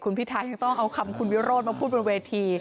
คุณพิทายังต้องเอาคำคุณวิโรธมาพูดบนเวที